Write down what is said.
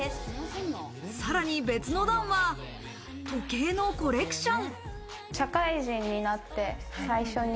さらに別の段は時計のコレクション。